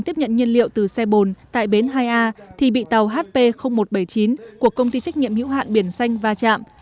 tiếp nhận nhiên liệu từ xe bồn tại bến hai a thì bị tàu hp một trăm bảy mươi chín của công ty trách nhiệm hữu hạn biển xanh va chạm